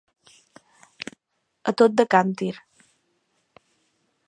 A tot de càntir.